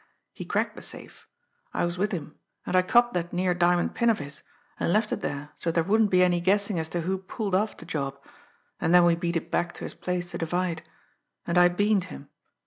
He cracked the safe. I was with him, and I copped that near diamond pin of his, and left it there so there wouldn't be any guessing as to who pulled off the job, and then we beat it back to his place to divide and I beaned him.